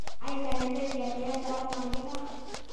آیا کاناډا د چاپیریال لپاره مالیه نه اخلي؟